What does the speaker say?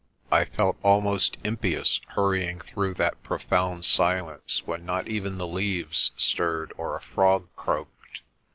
I felt almost impious hurrying through that profound silence, when not even the leaves stirred or a frog croaked.